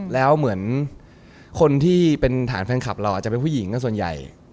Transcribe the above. แล้วเหมือนคนที่เป็นฐานแฟนคลับเราอาจจะเป็นผู้หญิงก็ส่วนใหญ่